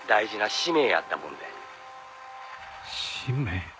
使命？